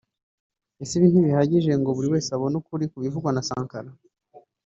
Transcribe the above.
ese ibi ntibihagije ngo buriwese abone ukuri kubivugwa na Sankara